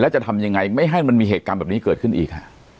จะทำยังไงไม่ให้มันมีเหตุการณ์แบบนี้เกิดขึ้นอีก